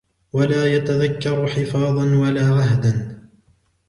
وَلَا يَتَذَكَّرُ حِفَاظًا وَلَا عَهْدًا